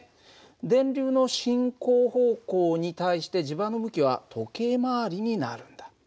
電流の進行方向に対して磁場の向きは時計回りになるんだ。